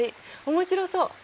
面白そう！